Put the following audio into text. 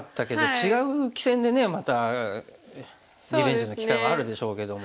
違う棋戦でねまたリベンジの機会はあるでしょうけども。